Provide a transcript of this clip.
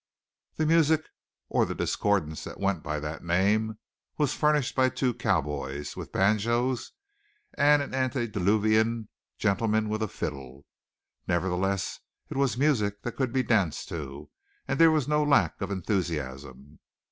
The music, or the discordance that went by that name, was furnished by two cowboys with banjos and an antediluvian gentleman with a fiddle. Nevertheless, it was music that could be danced to, and there was no lack of enthusiasm.